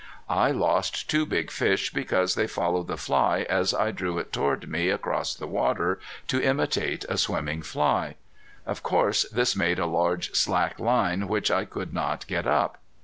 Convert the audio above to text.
I lost two big fish because they followed the fly as I drew it toward me across the water to imitate a swimming fly. Of course this made a large slack line which I could not get up.